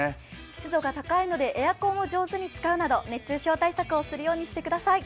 湿度が高いのでエアコンを上手に使うなど熱中症対策をするようにしてください。